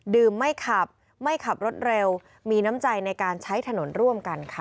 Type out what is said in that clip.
ไม่ขับไม่ขับรถเร็วมีน้ำใจในการใช้ถนนร่วมกันค่ะ